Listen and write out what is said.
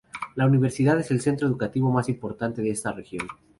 La universidad es el centro educativo más importante de esta región.